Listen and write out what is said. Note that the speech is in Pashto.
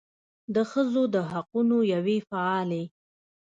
د ښځو د حقونو یوې فعالې